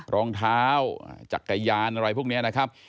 รองเท้าจักรยานอะไรพวกนี้นะครับ